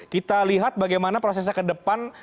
kita lihat bagaimana prosesnya ke depan